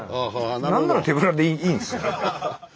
何なら手ぶらでいいんですよ。